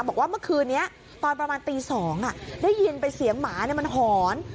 บอกว่าเมื่อคืนนี้ตอนประมาณตี๒ได้ยินเป็นเสียงหมามันหอน